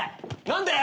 何で！？